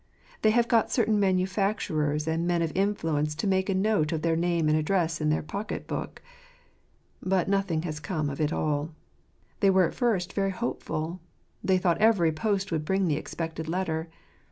They have got certain manufacturers and men of influence to make a note of their name and address in their pocket book. But nothing has come of it all. They were at first very hopeful. They thought each post would bring the expected letter.